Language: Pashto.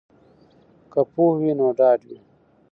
که پوهه وي نو ډاډ وي.